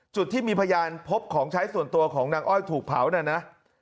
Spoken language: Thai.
จุดที่มีพยานพบของใช้ส่วนตัวของนางอ้อยถูกเผาน่ะนะ